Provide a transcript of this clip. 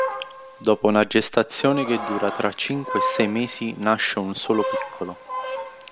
Dopo una gestazione che dura tra cinque e sei mesi nasce un solo piccolo.